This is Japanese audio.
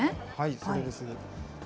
それですね。